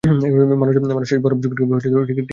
মানুষ শেষ বরফ যুগেও টিকে থাকতে পেরেছিল।